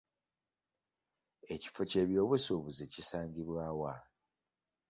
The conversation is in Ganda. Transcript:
Ekifo ky'ebyobusuubuzi kisangibwa wa?